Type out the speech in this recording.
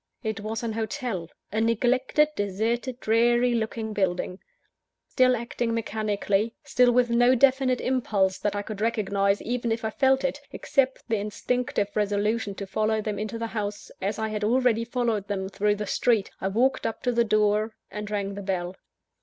It was an hotel a neglected, deserted, dreary looking building. Still acting mechanically; still with no definite impulse that I could recognise, even if I felt it, except the instinctive resolution to follow them into the house, as I had already followed them through the street I walked up to the door, and rang the bell.